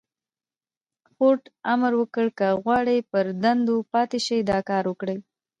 فورډ امر وکړ که غواړئ پر دندو پاتې شئ دا کار وکړئ.